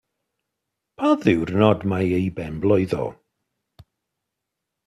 Pa ddiwrnod mae'i ben-blwydd o?